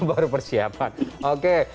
baru persiapan oke